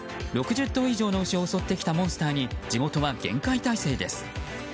６０頭以上の牛を襲ってきたモンスターに地元は厳戒態勢です。